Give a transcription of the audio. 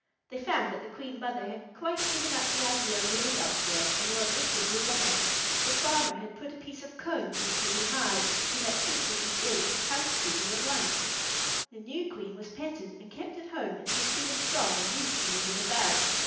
They found that the Queen Mother had quite given up the idea of living elsewhere and was as busy as ever. The farmer had put a piece of comb into the new hive so that she could begin housekeeping at once. The new Queen was petted and kept at home until she was strong and used to moving about.